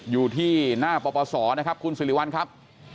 อยู่ที่หน้าปปศนะครับคุณสิริวัลครับ